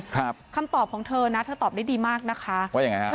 ครับคำตอบของเธอนะเธอตอบได้ดีมากนะคะว่าอย่างไรครับ